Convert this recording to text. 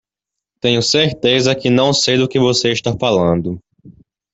Tenho certeza que não sei do que você está falando!